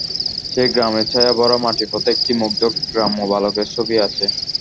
সে গ্রামের ছায়া-ভরা মাটির পথে একটি মুগ্ধ গ্রাম্য বালকের ছবি আছে।